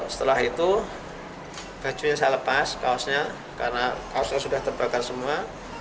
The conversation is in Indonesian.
setelah itu bajunya saya lepas kaosnya karena kaosnya sudah terbakar semua